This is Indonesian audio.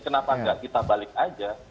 kenapa nggak kita balik aja